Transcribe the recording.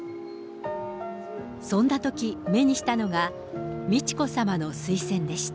そんなとき目にしたのが、美智子さまの水仙でした。